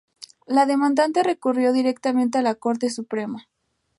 La demandante recurrió directamente a la Corte Suprema.